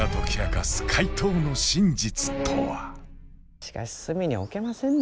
しかし隅に置けませんね